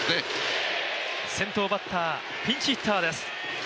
先頭バッター、ピンチヒッターです。